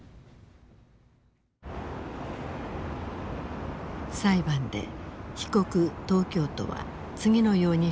裁判で被告東京都は次のように主張している。